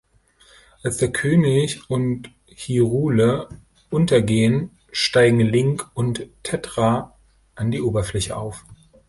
Als der König und Hyrule untergehen, steigen Link und Tetra an die Oberfläche auf.